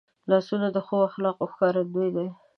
لاسونه د ښو اخلاقو ښکارندوی دي